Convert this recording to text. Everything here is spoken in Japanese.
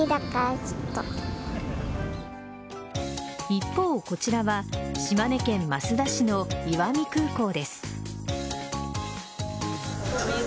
一方、こちらは島根県益田市の石見空港です。